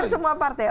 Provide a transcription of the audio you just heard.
hampir semua partai